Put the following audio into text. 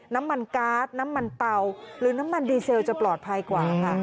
น้ำมันการ์ดน้ำมันเตาหรือน้ำมันดีเซลจะปลอดภัยกว่าค่ะ